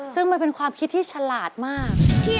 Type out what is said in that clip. ซึ่งมันเป็นความคิดที่ฉลาดมาก